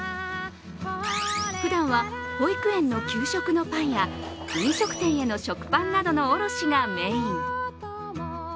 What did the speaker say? ふだんは保育園の給食のパンや、飲食店への食パンなどの卸がメイン。